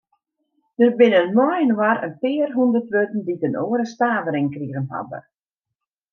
Der binne mei-inoar in pear hûndert wurden dy't in oare stavering krigen hawwe.